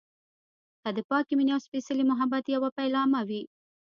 که د پاکې مينې او سپیڅلي محبت يوه پيلامه وي.